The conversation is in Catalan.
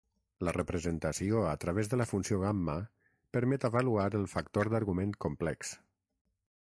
La representació a través de la funció gamma permet avaluar el factor d'argument complex.